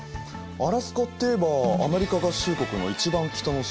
アラスカっていえばアメリカ合衆国の一番北の州寒い所だね。